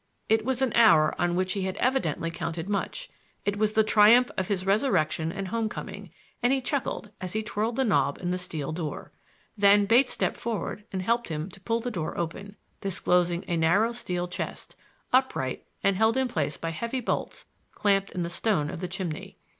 It was an hour on which he had evidently counted much; it was the triumph of his resurrection and home coming, and he chuckled as he twirled the knob in the steel door. Then Bates stepped forward and helped him pull the door open, disclosing a narrow steel chest, upright and held in place by heavy bolts clamped in the stone of the chimney.